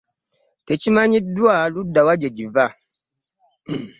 Tekimanyiddwa ludda wa gye giva.